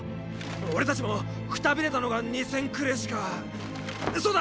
俺たちもくたびれたのが二千くれェしかそうだ！